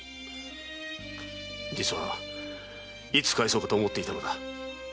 実はいつ返そうかと思っていたのだ。